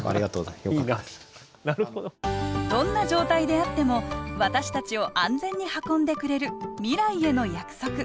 どんな状態であっても私たちを安全に運んでくれる未来への約束。